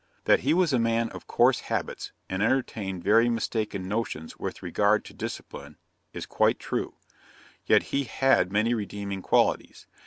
That he was a man of coarse habits, and entertained very mistaken notions with regard to discipline, is quite true: yet he had many redeeming qualities.